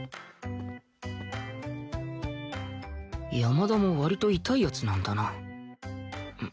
山田も割とイタい奴なんだな